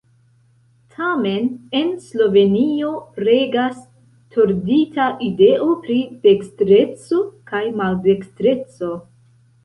Tamen en Slovenio regas tordita ideo pri dekstreco kaj maldekstreco.